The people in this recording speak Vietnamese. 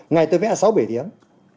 ngày tôi vẽ sáu bảy tiếng